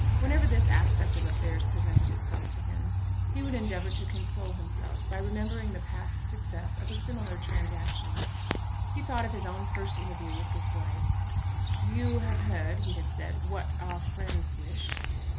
Whenever this aspect of affairs presented itself to him, he would endeavour to console himself by remembering the past success of a similar transaction. He thought of his own first interview with his wife. "You have heard," he had said, "what our friends wish."